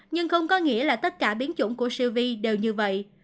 nhưng không có nghĩa là tất cả biến chủng của siêu vi đều như vậy